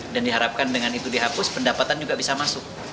dan diharapkan dengan itu dihapus pendapatan juga bisa masuk